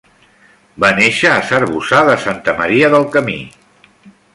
Va néixer a s'Arboçar de Santa Maria del Camí.